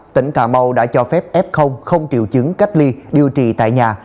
tỉnh cà mau đã cho phép f không triệu chứng cách ly điều trị tại nhà